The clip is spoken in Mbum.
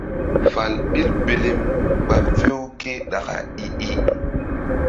Fal ɓil belem ɓa few ké ɗaka i-i.